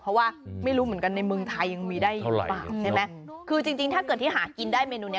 เพราะว่าไม่รู้เหมือนกันในเมืองไทยยังมีได้อยู่หลายปากใช่ไหมคือจริงจริงถ้าเกิดที่หากินได้เมนูเนี้ย